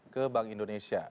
ke bank indonesia